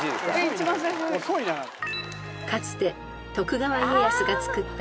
［かつて徳川家康が造った］